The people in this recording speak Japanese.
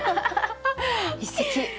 一席。